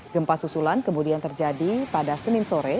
gempa susulan kemudian terjadi pada senin sore